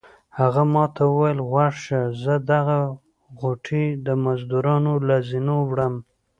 هغه ما ته وویل غوږ شه زه دغه غوټې د مزدورانو له زینو وړم.